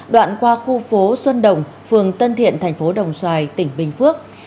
đoạn qua khu phố xuân đồng phường tân thiện thành phố đồng xoài tỉnh bình phước